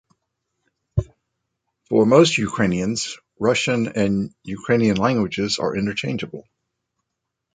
For most Ukrainians, Russian and Ukrainian languages are interchangeable.